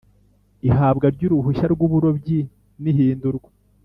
Ihabwa ry uruhushya rw uburobyi n ihindurwa